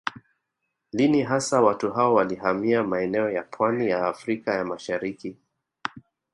Lini hasa watu hao walihamia maeneo ya pwani ya Afrika ya Mashariki